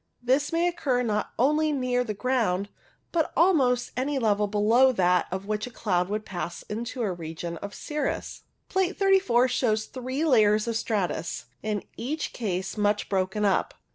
This may occur not only near the ground, but at almost any level below that at which the cloud would pass into the region of cirrus. Plate 34 shows three layers of stratus, in each case much broken up.